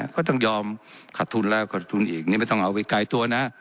ก็ต้องยอมขัดทุนแล้วขัดทุนอีกนี่ไม่ต้องเอาไปไกลตัวนะ